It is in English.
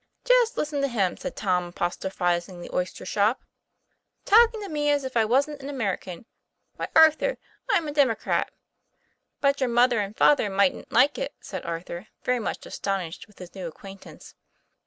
"Just listen to him," said Tom, apostrophizing the oyster shop, " talking to me as if I wasn't an Ameri can why, Arthur, I'm a Democrat." "But your mother and father mightn't like it," said Arthur, very much astonished with his new ac quaintance.